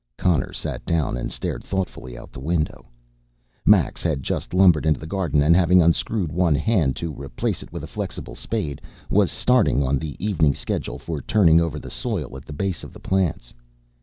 Connor sat down and stared thoughtfully out the window. Max had just lumbered into the garden and, having unscrewed one hand to replace it with a flexible spade, was starting on the evening schedule for turning over the soil at the base of the plants.